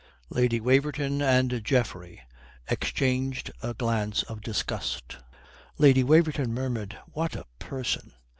Lady Waverton and Geoffrey exchanged a glance of disgust. Lady Waverton murmured, "What a person!"